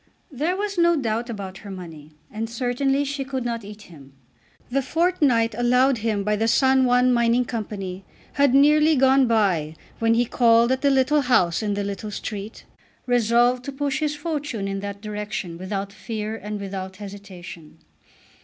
There was no doubt about her money, and certainly she could not eat him. The fortnight allowed him by the San Juan Company had nearly gone by when he called at the little house in the little street, resolved to push his fortune in that direction without fear and without hesitation.